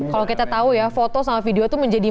kalau kita tahu ya foto sama video itu menjadi